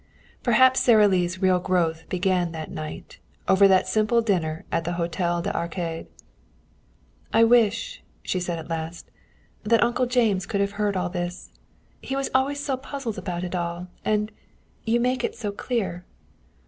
Perhaps Sara Lee's real growth began that night, over that simple dinner at the Hôtel des Arcades. "I wish," she said at last, "that Uncle James could have heard all this. He was always so puzzled about it all. And you make it so clear."